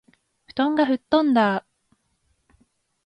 布団が吹っ飛んだあ